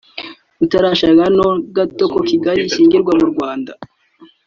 utarashakaga na gato ko Kigeli ashyingurwa mu Rwanda